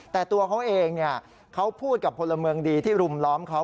แต่ตัวเขาเองเขาพูดกับพลเมืองดีที่รุมล้อมเขา